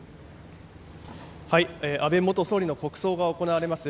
安倍元総理の国葬が行われます